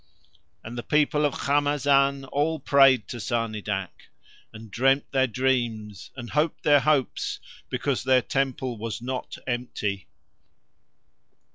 And the people of Khamazan all prayed to Sarnidac, and dreamed their dreams and hoped their hopes because their temple was not empty.